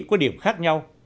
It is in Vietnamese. có điểm khác nhau